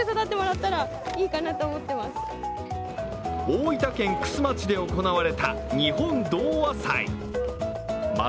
大分県玖珠町で行われた日本童話祭。